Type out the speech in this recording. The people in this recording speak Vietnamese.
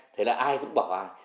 thế là ai cũng bảo ai